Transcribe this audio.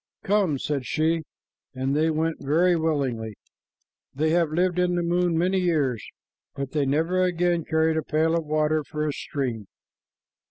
"Come," said she, and they went very willingly. They have lived in the moon many years, but they never again carried a pail of water for a stream.